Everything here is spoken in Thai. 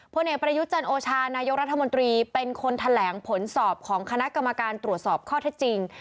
เอกประยุทธ์จันโอชานายกรัฐมนตรีเป็นคนแถลงผลสอบของคณะกรรมการตรวจสอบข้อเท็จจริง